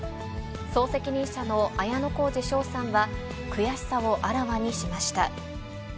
総責任者の綾小路翔さんは、悔しさをあらわにしました。